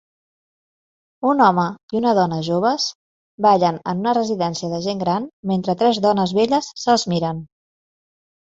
Un home i una dona joves ballen en una residència de gent gran mentre tres dones velles se'ls miren